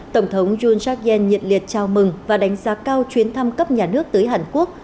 tổng thống jun chak yen nhiệt liệt chào mừng và đánh giá cao chuyến thăm cấp nhà nước tới hàn quốc